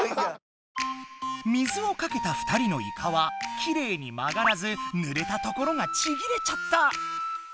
水をかけた２人のイカはきれいに曲がらずぬれたところがちぎれちゃった。